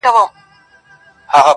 جانه ته ځې يوه پردي وطن ته.